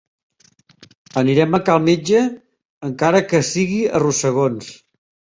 Anirem a cal metge encara que sigui a rossegons.